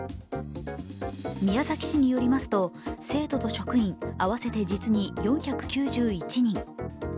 宮崎市によりますと、生徒と職員合わせて実に４９１人。